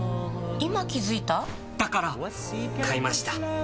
今気付いた？だから！買いました。